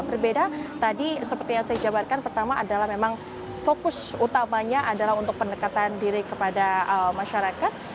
berbeda tadi seperti yang saya jabarkan pertama adalah memang fokus utamanya adalah untuk pendekatan diri kepada masyarakat